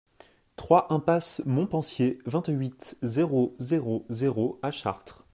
trois impasse MontPensier, vingt-huit, zéro zéro zéro à Chartres